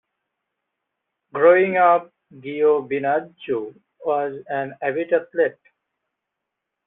Growing up, Giovinazzo was an avid athlete.